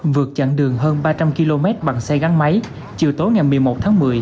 vượt chặn đường hơn ba trăm linh km bằng xe gắn máy chiều tối ngày một mươi một tháng một mươi